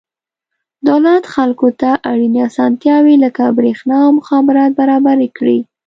دولت خلکو ته اړینې اسانتیاوې لکه برېښنا او مخابرات برابر کړي.